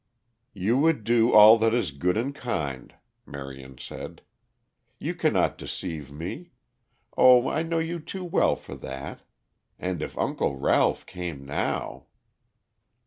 "You would do all that is good and kind," Marion said. "You cannot deceive me: oh, I know you too well for that. And if Uncle Ralph came now!"